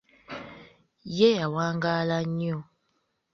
Ye yawangaala nnyo.